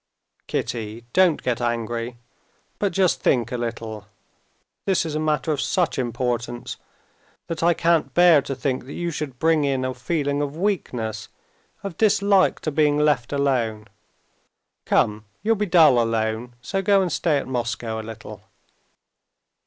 "Kitty! Don't get angry. But just think a little: this is a matter of such importance that I can't bear to think that you should bring in a feeling of weakness, of dislike to being left alone. Come, you'll be dull alone, so go and stay at Moscow a little."